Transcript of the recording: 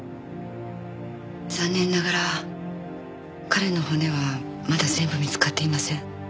残念ながら彼の骨はまだ全部見つかっていません。